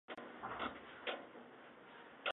曾任厚生劳动大臣。